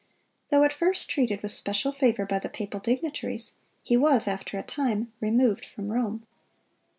Though at first treated with special favor by the papal dignitaries, he was after a time removed from Rome.